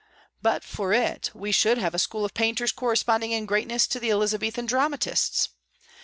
But for it, we should have a school of painters corresponding in greatness to the Elizabethan dramatists.